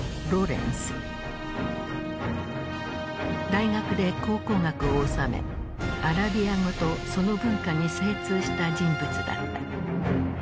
大学で考古学を修めアラビア語とその文化に精通した人物だった。